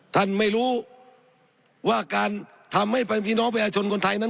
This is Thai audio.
ท่านไม่รู้ว่าการทำให้พี่น้องประชาชนคนไทยนั้น